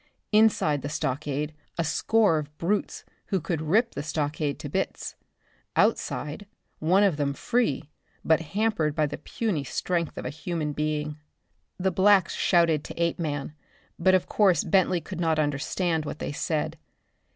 Inside the stockade a score of brutes who could rip the stockade to bits. Outside, one of them free, but hampered by the puny strength of a human being. The blacks shouted to Apeman but of course Bentley could not understand what they said.